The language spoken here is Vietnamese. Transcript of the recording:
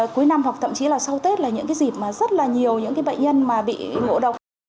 cuối năm hoặc thậm chí là sau tết là những cái dịp mà rất là nhiều những bệnh nhân mà bị ngộ độc